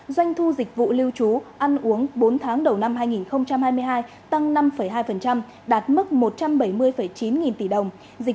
doanh thu dịch vụ lưu trú ăn uống bốn tháng đầu năm hai nghìn hai mươi hai tăng năm hai đạt mức một trăm bảy mươi chín nghìn tỷ đồng